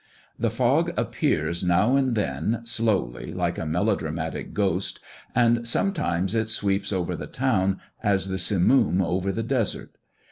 The fog appears, now and then, slowly, like a melodramatic ghost, and sometimes it sweeps over the town as the simoom over the desert.